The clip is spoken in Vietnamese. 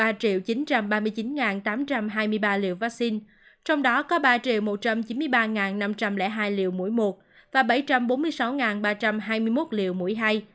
tám trăm hai mươi ba liều vaccine trong đó có ba một trăm chín mươi ba năm trăm linh hai liều mũi một và bảy trăm bốn mươi sáu ba trăm hai mươi một liều mũi hai